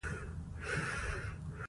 نو عام ملايان ترې يا ډډه کوي